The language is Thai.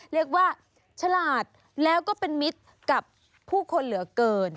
เรียกว่าฉลาดแล้วก็เป็นมิตรกับผู้คนเหลือเกิน